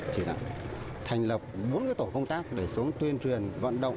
chỉ đạo thành lập bốn tổ công tác để xuống tuyên truyền vận động